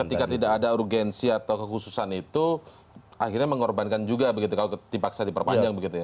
ketika tidak ada urgensi atau kekhususan itu akhirnya mengorbankan juga begitu kalau dipaksa diperpanjang begitu ya